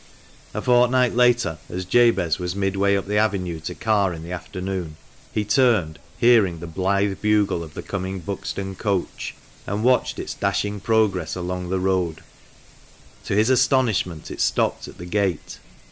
A fortnight later, as Jabez was midway up the avenue to Carr in the afternoon, he turned, hearing the blithe bugle of the coming Buxton coach, and watched its dashing progress along the road. To his astonishment it stopped at the gate.